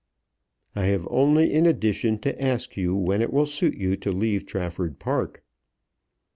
"I have only in addition to ask you when it will suit you to leave Trafford Park."